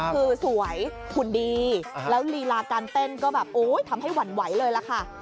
คือสวยหุ่นดีแล้วลีลาการเต้นก็แบบโอ้ยทำให้หวั่นไหวเลยล่ะค่ะ